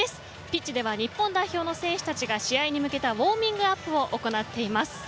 ピッチでは日本代表の選手たちが試合に向けたウォーミングアップを行っています。